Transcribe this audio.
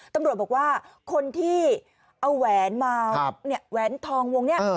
ตำรวจบอกว่าคนที่เอาแหวนมาแหวนทองวงนี้